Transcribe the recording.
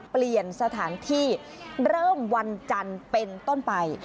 เปลี่ยนสถานที่เริ่มวันจันทร์เป็นต้นไป